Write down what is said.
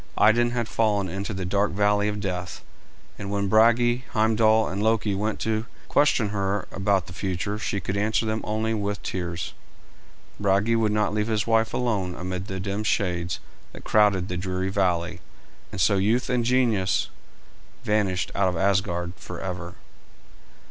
Idun had fallen into the dark valley of death, and when Brage, Heimdal, and Loki went to question her about the future she could answer them only with tears. Brage would not leave his beautiful wife alone amid the dim shades that crowded the dreary valley, and so youth and genius vanished out of Asgard forever.